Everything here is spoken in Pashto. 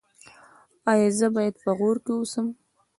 ایا زه باید په غور کې اوسم؟